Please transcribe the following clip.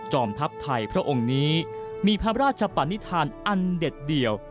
จอมทัพไทยพระองค์นี้มีภาราชประนิทานอันเด็ดเดียว